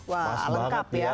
wah lengkap ya